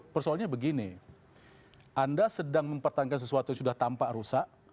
persoalannya begini anda sedang mempertahankan sesuatu yang sudah tampak rusak